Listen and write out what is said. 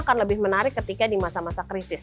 akan lebih menarik ketika di masa masa krisis